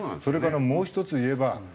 それからもう１つ言えば